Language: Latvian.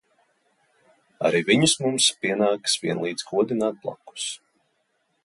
Arī viņus mums pienākas vienlīdz godināt blakus.